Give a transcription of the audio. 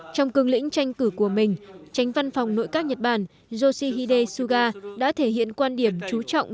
trong cương lĩnh tranh cử của mình tránh văn phòng nội các nhật bản yoshihide suga đã thể hiện quan điểm trú trọng